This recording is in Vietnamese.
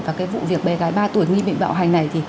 và cái vụ việc bé gái ba tuổi nghi bệnh bạo hành này